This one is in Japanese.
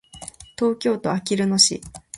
東京都あきる野市